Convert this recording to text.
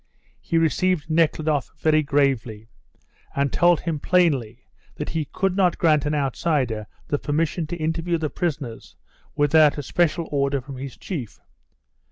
He received Nekhludoff very gravely, and told him plainly that he could not grant an outsider the permission to interview the prisoners without a special order from his chief.